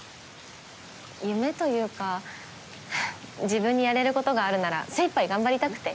夢というかははっ自分にやれることがあるなら精いっぱい頑張りたくて。